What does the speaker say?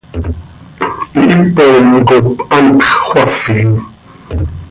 Hihipon cop hantx xöafin.